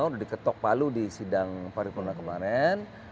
sudah diketok palu di sidang paripurna kemarin